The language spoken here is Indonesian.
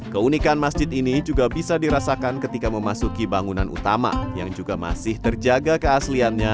keunikan masjid ini juga bisa dirasakan ketika memasuki bangunan utama yang juga masih terjaga keasliannya